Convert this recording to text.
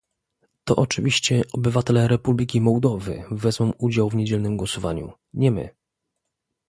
To oczywiście obywatele Republiki Mołdowy wezmą udział w niedzielnym głosowaniu, nie my